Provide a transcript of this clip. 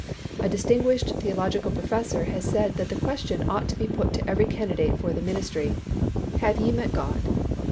A distinguished theological professor has said that the question ought to be put to every candidate for the ministry, "Have you met God?"